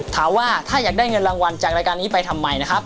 ถามว่าถ้าอยากได้เงินรางวัลจากรายการนี้ไปทำไมนะครับ